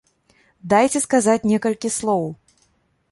Дайце сказаць некалькі слоў!